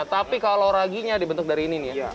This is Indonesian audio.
tapi kalau raginya dibentuk dari ini nih ya